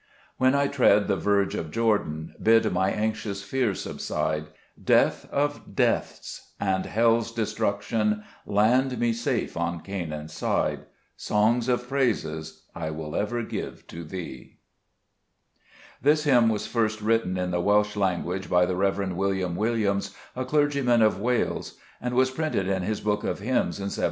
3 When I tread the verge of Jordan, Bid my anxious fears subside ; Death of deaths and hell's Destruction, Land me safe on Canaan's side : Songs of praises I will ever give to Thee. 46 Cbe 36cst Cburcb Ibvmns. This hymn was first written in the Welsh language by the Rev. William Williams, a clergyman of Wales, and was printed in his Book of Hymns in 1745.